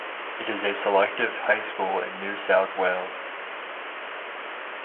It is a selective high school in New South Wales.